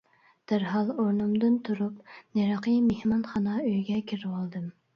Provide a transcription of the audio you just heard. دەرھال ئورنۇمدىن تۇرۇپ نېرىقى مېھمانخانا ئۆيگە كىرىۋالدىم.